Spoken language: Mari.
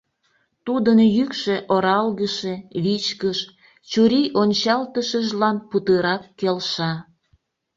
тудын йӱкшӧ оралгыше, вичкыж, чурий ончалтышыжлан путырак келша.